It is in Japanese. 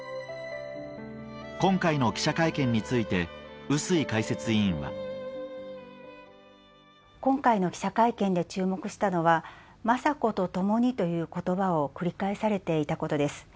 今回の記者会見について笛吹解説委員は今回の記者会見で注目したのは「雅子とともに」という言葉を繰り返されていたことです。